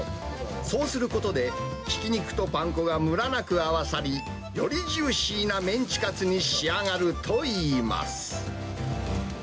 そうすることで、ひき肉とパン粉がむらなく合わさり、よりジューシーなメンチカツに仕上がるといいます。